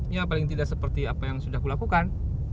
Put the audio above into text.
ya paling tidak seperti apa yang sudah kulakukan